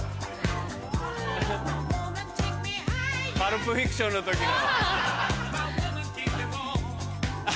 『パルプ・フィクション』の時の。